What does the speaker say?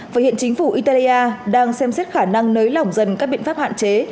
và hiện chính phủ italia đang xem xét khả năng nới lỏng dần các biện pháp hạn chế